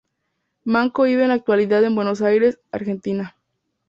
Manco vive en la actualidad en Buenos Aires, Argentina.